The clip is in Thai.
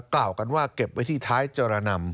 กล่าวกันว่าเก็บไว้ที่ท้ายจรนำ